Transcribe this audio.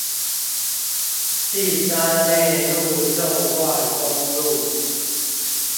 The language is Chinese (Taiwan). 第三內陸縱貫公路